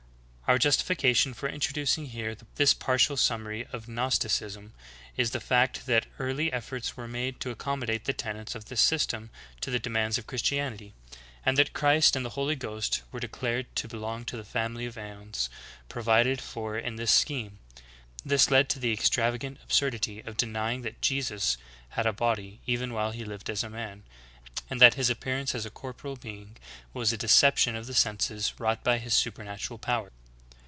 8. Our justification for introducing here this partial sum mary of Gnosticism is the fact that early eft'orts were made to accommodate the tenets of this system to the demands of Christianity; and that Christ and the Holy Ghost were de clared to belong to the family of Aeons provided for in this scheme. This led to the extravagant absurdity of denying that Jesus had a body even while He lived as a man; and that His appearance as a corporeal being was a deception of the senses wrought by His supernatural power.